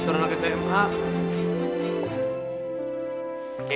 suruh lagi saya pak